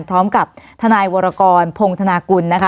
พร้อมกับทโวรกรพงษ์ทกุลนะคะ